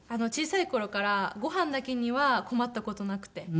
小さい頃からご飯だけには困った事なくて。